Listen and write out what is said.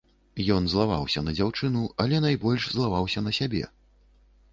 Ён злаваўся на дзяўчыну, але найбольш злаваўся на сябе.